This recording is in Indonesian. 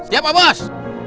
setia pak bos